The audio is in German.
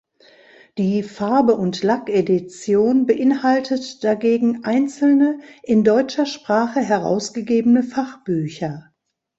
Die "Farbe und Lack Edition" beinhaltet dagegen einzelne, in deutscher Sprache herausgegebene Fachbücher.